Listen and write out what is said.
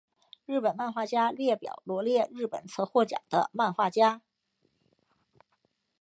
日本漫画家列表罗列日本曾获奖的漫画家。